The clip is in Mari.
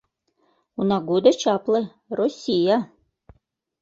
Унагудо чапле — «Россия».